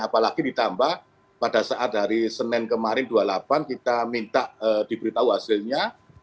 apalagi ditambah pada saat hari senin kemarin dua puluh delapan kita minta diberitahu hasilnya